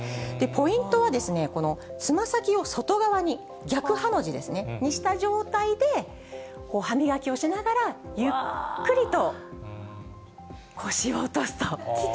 ポイントはですね、このつま先を外側に逆ハの字にした状態で、歯磨きをしながら、ゆっくりと腰を落とすと。